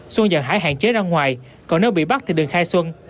xuân dặn hải hạn chế ra ngoài còn nếu bị bắt thì đừng khai xuân